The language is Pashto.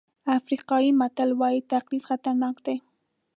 افریقایي متل وایي تقلید خطرناک دی.